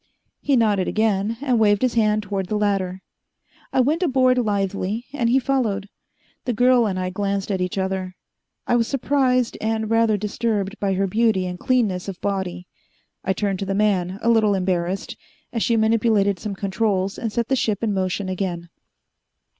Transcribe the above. He nodded again, and waved his hand toward the ladder. I went aboard lithely, and he followed. The girl and I glanced at each other; I was surprised and rather disturbed by her beauty and cleanness of body. I turned to the man, a little embarrassed, as she manipulated some controls and set the ship in motion again.